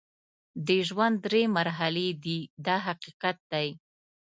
د ژوند درې مرحلې دي دا حقیقت دی.